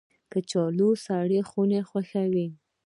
کچالو سړه خونه خوښوي